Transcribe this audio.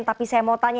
tapi saya mau tanya